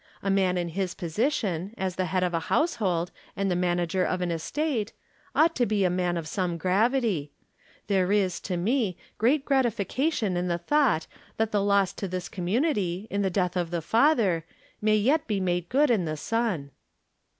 A man in his position, as the head of a household, and the manager of an estate, ought From Different Standpoints. 101 to be a man of some gravity. There is, to me, great gratification in the thought that the loss to this community, in the death of the father, may yet be made good in the son."